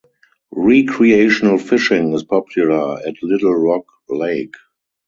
Recreational fishing is popular at Little Rock Lake.